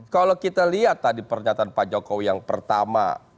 kalau kita lihat tadi pernyataan pak jokowi yang pertama